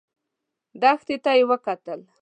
دښتې ته يې وکتل.